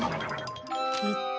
えっと